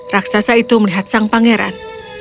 raksasa itu melihat sang pangeran